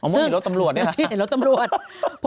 เห็นรถตำรวจเนี่ย